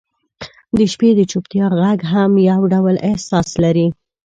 • د شپې د چوپتیا ږغ هم یو ډول احساس لري.